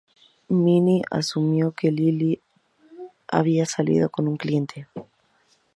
Minnie asumió que Lilly había salido con un cliente.